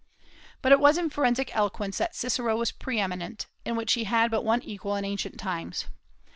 But it was in forensic eloquence that Cicero was pre eminent, in which he had but one equal in ancient times.